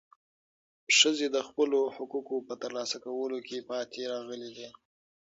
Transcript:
ښځې د خپلو حقوقو په ترلاسه کولو کې پاتې راغلې دي.